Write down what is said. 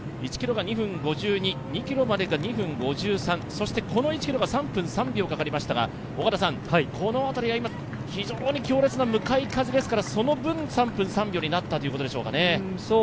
１ｋｍが２分５２、２ｋｍまでが２分５３、そしてこの１ｋｍが３分３秒かかりましたが、この辺りは非常に強烈な向かい風ですからその分、３分３秒になったということでしょうかね。